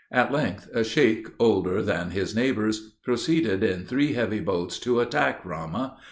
At length, a sheik, bolder than his neighbors, proceeded in three heavy boats to attack Ramah.